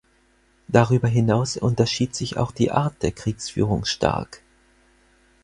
Darüber hinaus unterschied sich auch die Art der Kriegsführung stark.